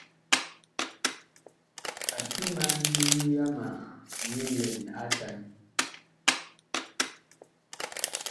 Ma timan yama nyi lɛn atan.